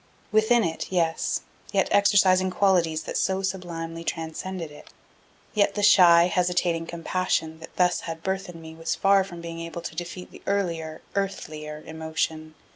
Within it, yes; yet exercising qualities that so sublimely transcended it. Yet the shy, hesitating compassion that thus had birth in me was far from being able to defeat the earlier, earthlier emotion.